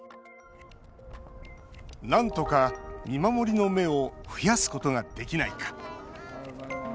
なんとか見守りの目を増やすことができないか。